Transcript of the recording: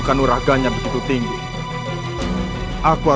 kenapa saya tidak bisa melihatnya